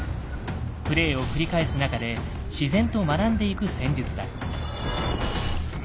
プレイを繰り返す中で自然と学んでいく戦術だ。